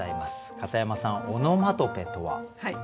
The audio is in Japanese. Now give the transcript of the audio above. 片山さんオノマトペとは？